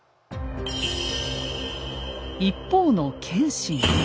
一方の謙信。